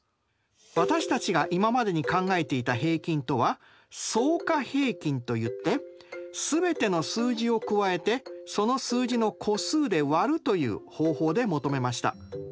私たちが今までに考えていた平均とは「相加平均」といって全ての数字を加えてその数字の個数でわるという方法で求めました。